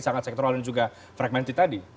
sangat sektoral dan juga fragmented tadi